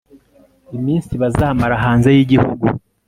iminsi bazamara hanze yigihugu